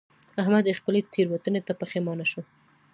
احمد خپلې تېروتنې ته پښېمانه شو.